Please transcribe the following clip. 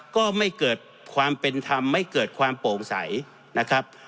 ก็ไม่เกิดความเป็นธรรมไม่เกิดความโปร่งใสนะครับ